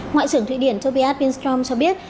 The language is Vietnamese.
ngoại trưởng thụy điển tobias binstrom cho biết